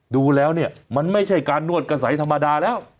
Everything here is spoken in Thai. ดูแล้วเนี่ยมันไม่ใช่การนวดกระสัยธรรมดาแล้ว